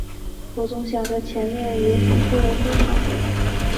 我总想着前面也许会有更好的